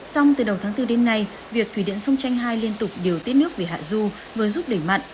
xong từ đầu tháng bốn đến nay việc quỷ điện sông tranh hai liên tục điều tiết nước về hà du vừa giúp đẩy mặn